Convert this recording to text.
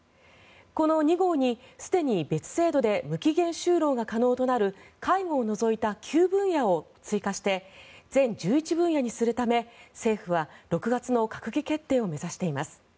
この２号に、すでに別制度で無期限就労が可能となる介護を除いた９分野を追加して全１１分野にするため政府は６月の閣議決定を目指しています。